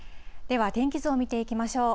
では、天気図を見ていきましょう。